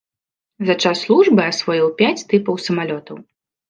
За час службы асвоіў пяць тыпаў самалётаў.